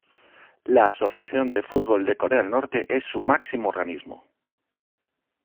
La Asociación de Fútbol de Corea del Norte es su máximo organismo.